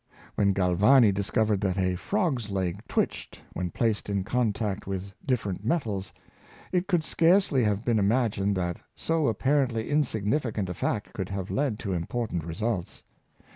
" When Galvani discovered that a frog^s leg twitched when placed in contact with different metals, it could scarcely have been imagined that so apparently insignificant a fact could have led to important results.